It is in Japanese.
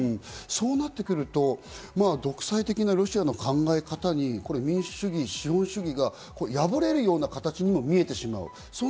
そうなってくると、独裁的なロシアの考え方に民主主義、資本主義が暴れるようにも見えてしまう。